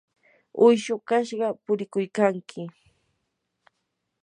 uyshu kashqa purikuykanki.